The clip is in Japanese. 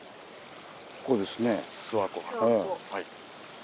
ここですね。